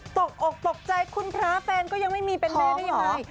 ตกอกตกใจคุณพระแฟนก็ยังไม่มีเป็นแฟนได้ยังไง